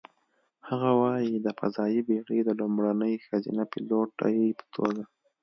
هغه وايي: "د فضايي بېړۍ د لومړنۍ ښځینه پیلوټې په توګه،